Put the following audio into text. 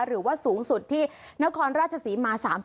หรือว่าสูงสุดที่นครราชศรีมา๓๐